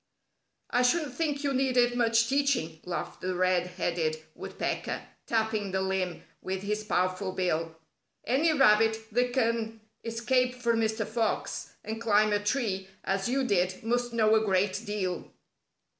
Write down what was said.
"I shouldn't think you needed much teaching," laughed the Red Headed Woodpecker, tapping the limb with his powerful bill. "Any rabbit that can escape from Mr. Fox and climb a tree as you did must know a great deal."